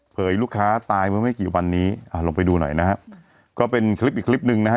ลูกค้าตายเมื่อไม่กี่วันนี้อ่าลงไปดูหน่อยนะฮะก็เป็นคลิปอีกคลิปหนึ่งนะฮะ